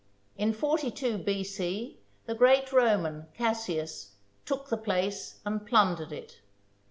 In 42 B.C. the great Roman, Cassius, took the place and plundered it.